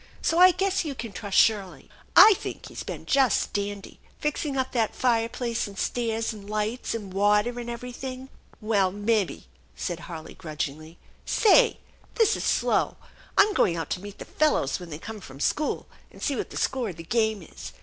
So I guess you can trust Shirley. I think he's been just dandy, fixing up that fireplace and stairs and lights and water and everything." " Well, mebbe !" said Harley grudgingly. " Say, this is slow. I'm going out to meet the fellows when they come from school, and see what the score of the game is.